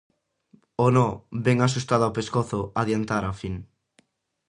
O nó, ben axustado ao pescozo, adiantara a fin.